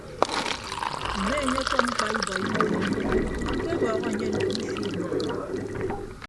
Mme enye ọkọm mkpa ibọi mbono mkpebọhọ anye ndomo ifiid nnịm.